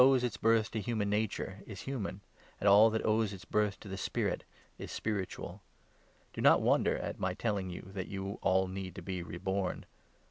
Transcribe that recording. All that owes its birth to human nature is human, 6 and all that owes its birth to the Spirit is spiritual. Do not 7 wonder at my telling you that you all need to be reborn.